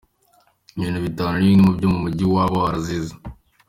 Ibi bintu bitanu ni bimwe mubyo uyu mujyi waba warazize .